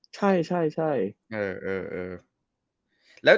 ใช่ใช่ใช่